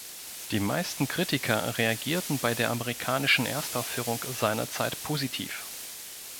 Die meisten Kritiker reagierten bei der amerikanischen Erstaufführung seinerzeit positiv.